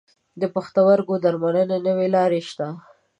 د پښتورګو درملنې نوي لارې شته.